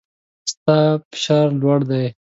ستا فشار لوړ دی